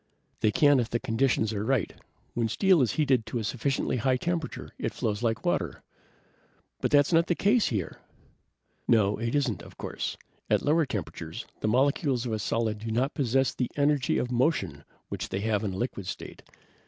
"They can if the conditions are right. When steel is heated to a sufficiently high temperature, it flows like water." "But that's not the case here!" "No, it isn't, of course. At lower temperatures the molecules of a solid do not possess the energy of motion which they have in a liquid state.